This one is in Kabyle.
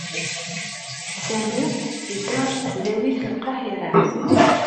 Sami yedda ɣer Tesdawit n Lqahiṛa.